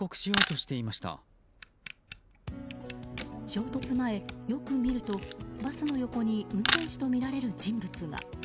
衝突前、よく見るとバスの横に運転手とみられる人物が。